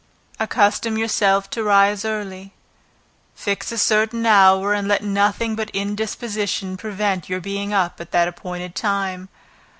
Accustom yourself to rise early; fix a certain hour, and let nothing but indisposition prevent your being up at the appointed time.